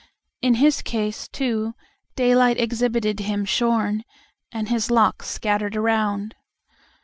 In his case, too, daylight exhibited him shorn, and his locks scattered around.